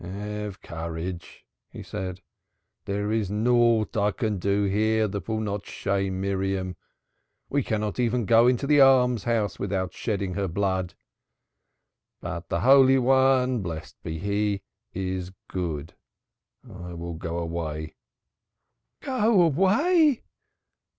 "Have courage." he said. "There is naught I can do here that will not shame Miriam. We cannot even go into an almshouse without shedding her blood. But the Holy One, blessed be He, is good. I will go away." "Go away!"